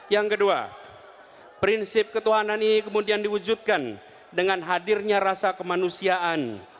yang kedua prinsip ketuhanan ini kemudian diwujudkan dengan hadirnya rasa kemanusiaan